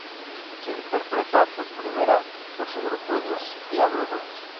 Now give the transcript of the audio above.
Se interpretada por primera por su grupo Los Diablos Rojos.